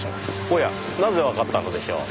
おやなぜわかったのでしょう？